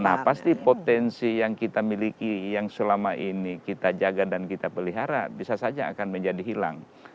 nah pasti potensi yang kita miliki yang selama ini kita jaga dan kita pelihara bisa saja akan menjadi hilang